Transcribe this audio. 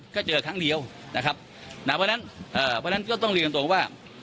ก็เจอครั้งเดียวนะครับนะเพราะฉะนั้นเอ่อเพราะฉะนั้นก็ต้องเรียนตรงว่า